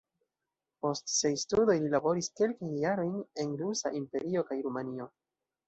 Post siaj studoj li laboris kelkajn jarojn en Rusa Imperio kaj Rumanio.